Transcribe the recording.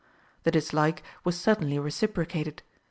The dislike was certainly reciprocated.